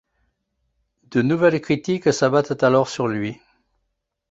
De nouvelles critiques s‘abattent alors sur lui.